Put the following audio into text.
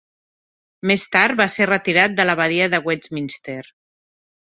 Més tard va ser retirat a l'Abadia de Westminster.